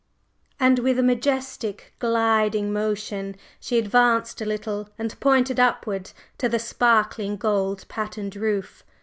and with a majestic gliding motion she advanced a little and pointed upward to the sparkling gold patterned roof.